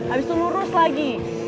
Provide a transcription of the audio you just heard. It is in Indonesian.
abis itu lurus lagi